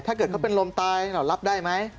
ถ้าเกิดเขาเป็นลมตายเรารับได้ไหม